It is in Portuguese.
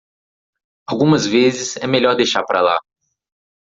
Algumas vezes é melhor deixar pra lá.